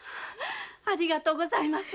ありがとうございます。